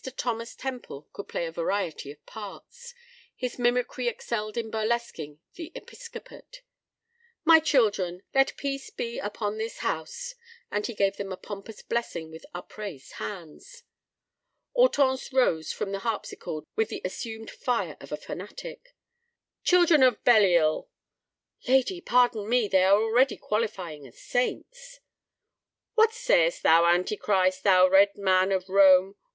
Thomas Temple could play a variety of parts. His mimicry excelled in burlesquing the episcopate. "My children, let peace be upon this house." And he gave them a pompous blessing with upraised hands. Hortense rose from the harpsichord with the assumed fire of a fanatic. "Children of Belial!" "Lady, pardon me, they are already qualifying as saints." "What sayest thou, Antichrist, thou Red Man of Rome?